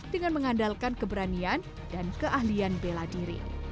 dengan mengandalkan keberanian dan keahlian bela diri